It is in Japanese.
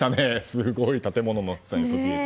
すごい建物がそびえて。